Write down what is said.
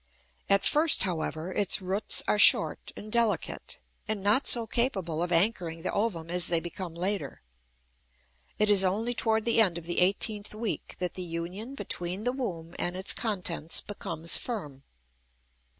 At first, however, its roots are short and delicate, and not so capable of anchoring the ovum as they become later. It is only toward the end of the eighteenth week that the union between the womb and its contents becomes firm.